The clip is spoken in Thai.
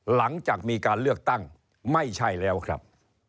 หลังจากมีการเลือกตั้งไม่ใช่แล้วครับ